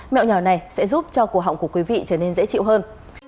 mẹo nhỏ này sẽ giúp cho cuộc họng của quý vị trở nên dễ chịu hơn